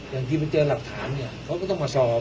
อย่างที่เจอรับฐานเนี่ยเค้าก็ต้องมาสอบ